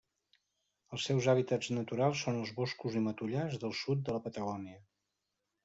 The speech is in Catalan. Els seus hàbitats naturals són els boscos i matollars del sud de la Patagònia.